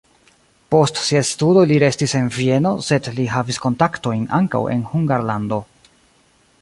Post siaj studoj li restis en Vieno, sed li havis kontaktojn ankaŭ kun Hungarlando.